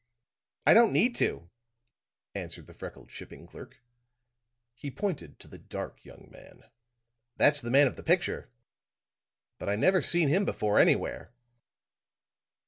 "I don't need to," answered the freckled shipping clerk. He pointed to the dark young man. "That's the man of the picture; but I never seen him before, anywhere."